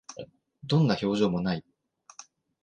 どんな表情も無い